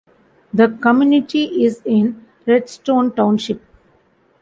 The community is in Redstone Township.